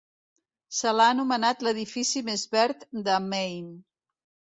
Se l'ha anomenat l'edifici més verd de Maine.